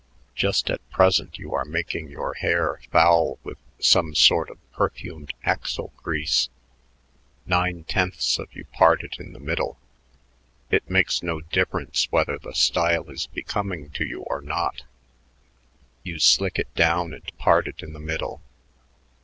Just at present you are making your hair foul with some sort of perfumed axle grease; nine tenths of you part it in the middle. It makes no difference whether the style is becoming to you or not; you slick it down and part it in the middle.